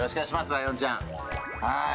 ライオンちゃん。